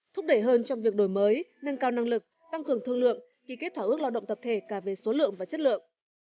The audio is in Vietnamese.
thúc đẩy hơn trong việc đổi mới nâng cao năng lực tăng cường thương lượng ký kết thỏa ước lao động tập thể cả về số lượng và chất lượng